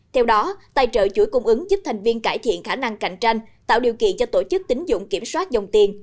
theo đó tài trợ chuỗi cung ứng giúp thành viên cải thiện khả năng cạnh tranh tạo điều kiện cho tổ chức tính dụng kiểm soát dòng tiền